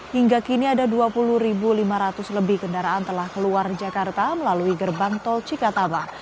hingga kini ada dua puluh lima ratus lebih kendaraan telah keluar jakarta melalui gerbang tol cikatabak